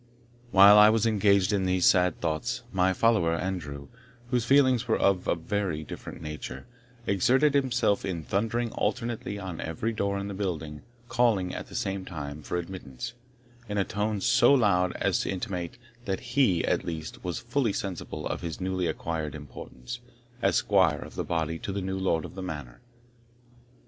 While I was engaged in these sad thoughts, my follower Andrew, whose feelings were of a very different nature, exerted himself in thundering alternately on every door in the building, calling, at the same time, for admittance, in a tone so loud as to intimate, that he, at least, was fully sensible of his newly acquired importance, as squire of the body to the new lord of the manor.